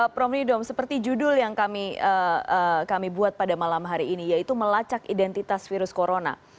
prof nidom seperti judul yang kami buat pada malam hari ini yaitu melacak identitas virus corona